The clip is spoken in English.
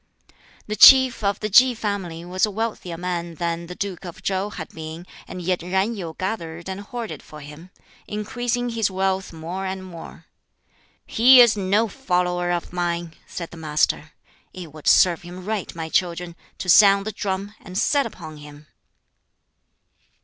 The Chief of the Ki family was a wealthier man than the Duke of Chow had been, and yet Yen Yu gathered and hoarded for him, increasing his wealth more and more. "He is no follower of mine," said the Master. "It would serve him right, my children, to sound the drum, and set upon him."